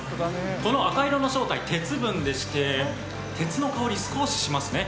この赤色の正体、鉄分でして、鉄の香り、少ししますね。